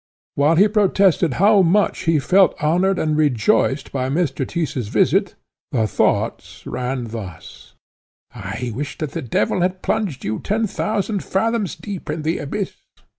While he protested how much he felt honoured and rejoiced by Mr. Tyss's visit, the thoughts ran thus: "I wish that the devil had plunged you ten thousand fathoms deep in the abyss!